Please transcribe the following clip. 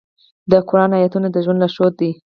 د قرآن آیاتونه د ژوند لارښود دي.